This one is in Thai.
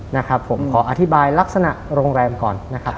นะครับผมขออธิบายลักษณะโรงแรมก่อนนะครับ